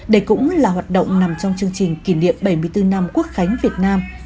đây cũng là hoạt động nằm trong chương trình kỷ niệm bảy mươi bốn năm quốc khánh việt nam